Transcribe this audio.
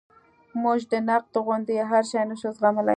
موږ د نقد غوندې هر شی نشو زغملی.